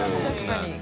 確かに。